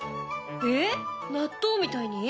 えっ納豆みたいに？